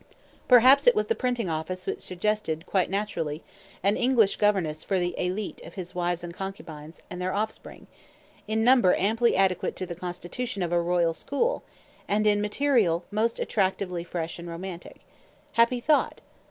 Perhaps it was the printing office which suggested, quite naturally, an English governess for the élite of his wives and concubines, and their offspring, in number amply adequate to the constitution of a royal school, and in material most attractively fresh and romantic. Happy thought!